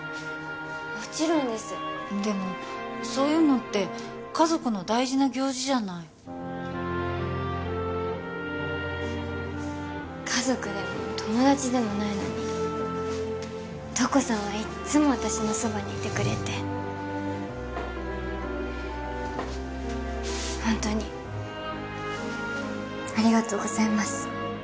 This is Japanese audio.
もちろんですでもそういうのって家族の大事な行事じゃない家族でも友達でもないのに瞳子さんはいっつも私のそばにいてくれてホントにありがとうございます